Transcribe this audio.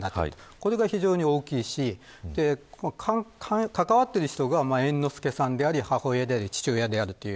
これが非常に大きいし関わっている人が猿之助さんであり、母親であり父親である。